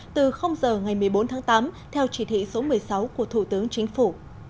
từ giờ ngày một mươi bốn tháng tám theo chỉ thị số một mươi sáu của thủ tướng chính phủ